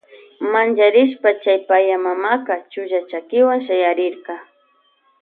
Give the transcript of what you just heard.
Mancharishpa chay paya mamaka chulla chakiwan chayarirka.